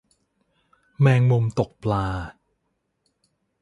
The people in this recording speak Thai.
แมงมุมตกปลา